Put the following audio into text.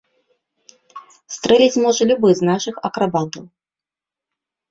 Стрэліць можа любы з нашых акрабатаў.